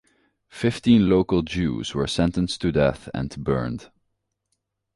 Fifteen local Jews were sentenced to death and burned.